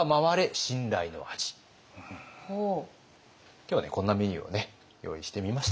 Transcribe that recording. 今日はねこんなメニューをね用意してみました。